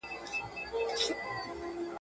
تا ته د جلاد له سره خنجره زندان څه ویل.